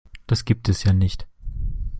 Das gibt es ja nicht!